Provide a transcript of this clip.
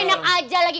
ah enak aja lagi